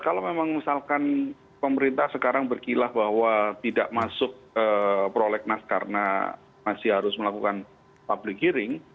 kalau memang misalkan pemerintah sekarang berkilah bahwa tidak masuk prolegnas karena masih harus melakukan public hearing